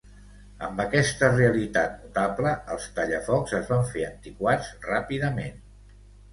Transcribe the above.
Amb aquesta realitat mutable, els tallafocs es van fer antiquats ràpidament.